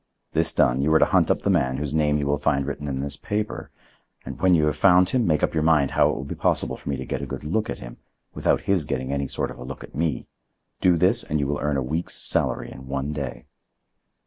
This done, you are to hunt up the man whose name you will find written in this paper, and when you have found him, make up your mind how it will be possible for me to get a good look at him without his getting any sort of a look at me. Do this and you will earn a week's salary in one day."